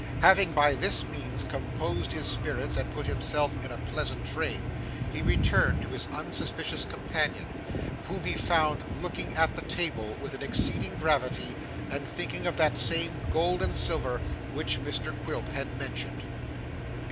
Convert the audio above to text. Having by this means composed his spirits and put himself in a pleasant train, he returned to his unsuspicious companion, whom he found looking at the tide with exceeding gravity, and thinking of that same gold and silver which Mr Quilp had mentioned.